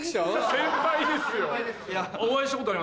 先輩ですよ。